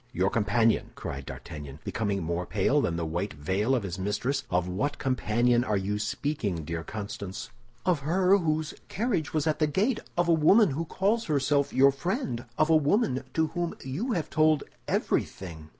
"Your companion!" cried D'Artagnan, becoming more pale than the white veil of his mistress. "Of what companion are you speaking, dear Constance?" "Of her whose carriage was at the gate; of a woman who calls herself your friend; of a woman to whom you have told everything."